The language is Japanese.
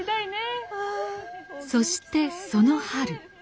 そしてその春。